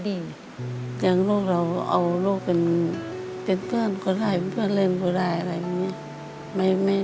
อย่างลูกเราเอาลูกเป็นเพื่อนก็ได้เป็นเพื่อนเล่นก็ได้อะไรอย่างนี้